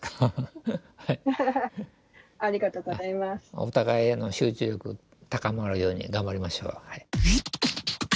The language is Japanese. お互い集中力高まるように頑張りましょう。